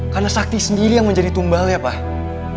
karena sakti sendiri yang menjadi tumbalnya pak